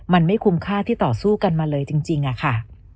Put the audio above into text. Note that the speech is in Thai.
มันไม่คุ้มค่าที่ต่อสู้กันมาเลยจริงอะค่ะ